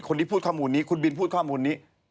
ที่พูดข้อมูลนี้คุณบินพูดข้อมูลนี้